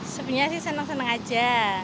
sebenarnya sih senang senang aja